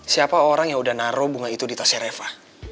siapa orang yang udah naro bunga itu di tasnya reva